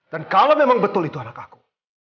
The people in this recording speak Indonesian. dan kalau memang betul itu anak aku